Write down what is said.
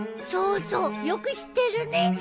そうそうよく知ってるね。